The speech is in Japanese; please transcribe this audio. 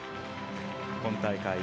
今大会